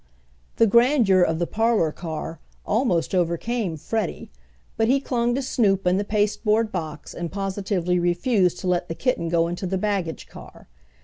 The grandeur of the parlor car almost overcame Freddie, but he clung to Snoop in the pasteboard box and positively refused to let the kitten go into the baggage car.